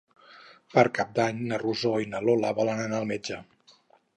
Per Cap d'Any na Rosó i na Lola volen anar al metge.